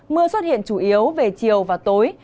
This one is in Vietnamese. mưa xuất hiện chủ yếu về chiều và tối